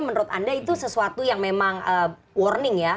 menurut anda itu sesuatu yang memang warning ya